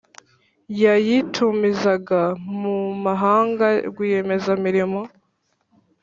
yayitumizaga mu mahanga rwiyemezamirimo